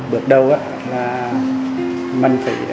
bước đầu mình phải